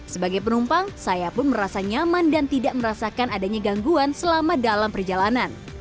sebagai penumpang saya pun merasa nyaman dan tidak merasakan adanya gangguan selama dalam perjalanan